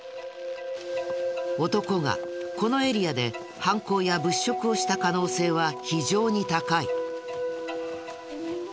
男がこのエリアで犯行や物色をした可能性は非常に高い。